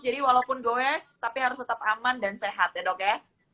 jadi walaupun goes tapi harus tetap aman dan sehat ya dok ya